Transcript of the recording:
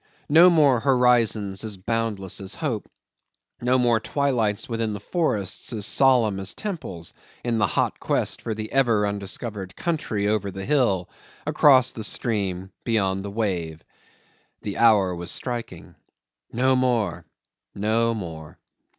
No more horizons as boundless as hope, no more twilights within the forests as solemn as temples, in the hot quest for the Ever undiscovered Country over the hill, across the stream, beyond the wave. The hour was striking! No more! No more!